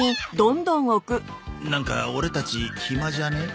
なんかオレたち暇じゃね？